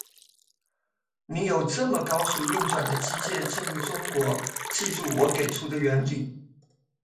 你有这么高速运转的机械进入中国，记住我给出的原理。